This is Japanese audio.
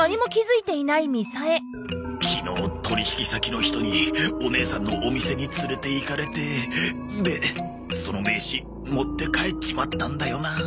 昨日取引先の人にお姉さんのお店に連れて行かれてでその名刺持って帰っちまったんだよなあ